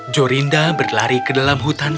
jorinda berlari ke dalam hutan